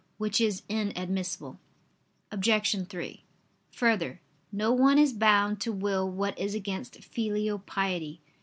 Which is inadmissible. Obj. 3: Further, no one is bound to will what is against filial piety.